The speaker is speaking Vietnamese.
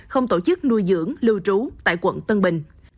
không tổ chức nuôi dưỡng lưu trú tại quận tân bình